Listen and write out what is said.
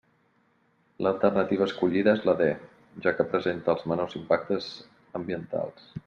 L'alternativa escollida és la D, ja que presenta els menors impactes ambientals.